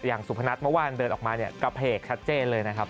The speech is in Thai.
สุพนัทเมื่อวานเดินออกมาเนี่ยกระเพกชัดเจนเลยนะครับ